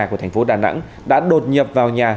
của thành phố đà nẵng đã đột nhập vào nhà